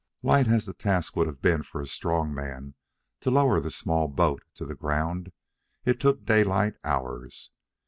Light as the task would have been for a strong man to lower the small boat to the ground, it took Daylight hours.